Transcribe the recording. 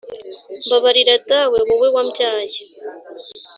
mbabarira dawe wowe wambyaye